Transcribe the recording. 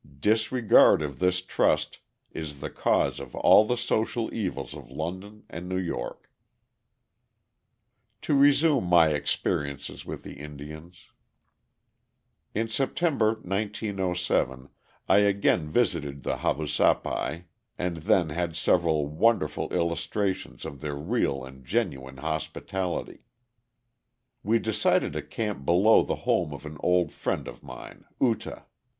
Disregard of this trust is the cause of all the social evils of London and New York." To resume my experiences with the Indians: [Illustration: UTA, MY HOSPITABLE HAVASUPAI FRIEND.] In September, 1907, I again visited the Havasupais and then had several wonderful illustrations of their real and genuine hospitality. We decided to camp below the home of an old friend of mine, Uta.